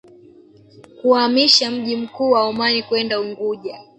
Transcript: Kuhamisha mji mkuu wa Omani kwenda Unguja